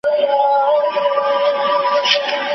او یوازي شرنګ او سُر لري.